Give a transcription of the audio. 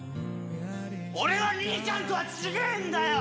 俺は兄ちゃんとは違えんだよ！